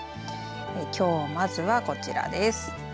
きょう、まずはこちらです。